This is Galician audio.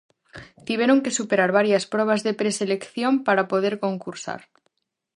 Tiveron que superar varias probas de preselección para poder concursar.